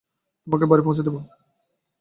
তোমাকে বাড়ি পৌঁছে দেব?